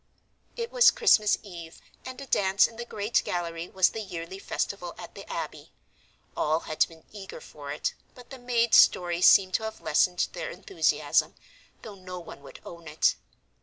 It was Christmas Eve, and a dance in the great gallery was the yearly festival at the abbey. All had been eager for it, but the maid's story seemed to have lessened their enthusiasm, though no one would own it.